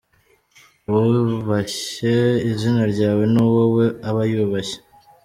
Uwubashye izina ryawe ni wowe aba yubashye.